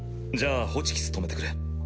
じゃあホチキス留めてくれ。